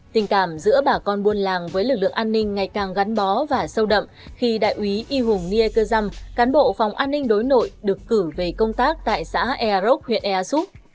tình cảm giữa bà con buôn làng với lực lượng an ninh ngày càng gắn bó và sâu đậm khi đại úy y hùng niê cơ dăm cán bộ phòng an ninh đối nội được cử về công tác tại xã ea rốc huyện ea súp